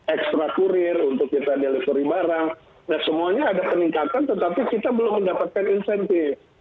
ekstra kurir untuk kita delivery barang dan semuanya ada peningkatan tetapi kita belum mendapatkan insentif